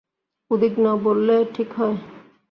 উদ্বিগ্ন বললে ঠিক হয়।